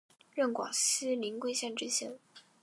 任广西临桂县知县。